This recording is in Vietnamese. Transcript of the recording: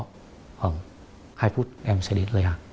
khoảng hai phút em sẽ đến lấy hàng